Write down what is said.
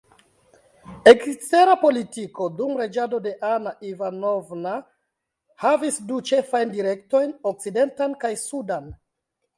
Ekstera politiko dum reĝado de Anna Ivanovna havis du ĉefajn direktojn: okcidentan kaj sudan.